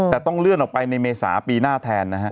แต่ต้องเลื่อนออกไปในเมษาปีหน้าแทนนะฮะ